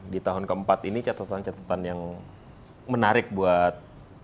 di tahun keempat ini catatan catatan yang menarik buat